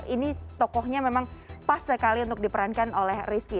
ini tokohnya memang pas sekali untuk diperankan oleh rizky